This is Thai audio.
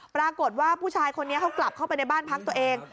ปรากฏว่าผู้ชายคนนี้เขากลับเข้าไปในบ้านพักตัวเอง